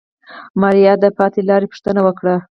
ماريا د پاتې لارې پوښتنه وکړه.